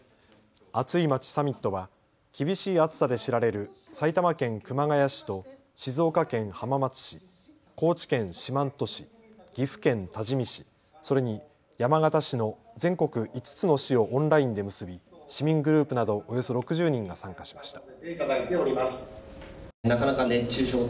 アツいまちサミットは厳しい暑さで知られる埼玉県熊谷市と静岡県浜松市、高知県四万十市、岐阜県多治見市、それに山形市の全国５つの市をオンラインで結び、市民グループなどおよそ６０人が参加しました。